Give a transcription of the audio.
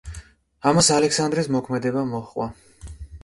ამას ალექსანდრეს მოქმედება მოჰყვა.